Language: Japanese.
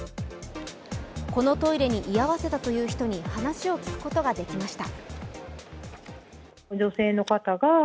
このトイレに居合わせたという人に話を聞くことができました。